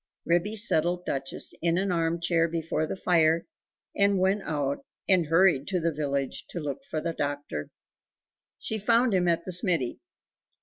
Ribby settled Duchess in an armchair before the fire, and went out and hurried to the village to look for the doctor. She found him at the smithy.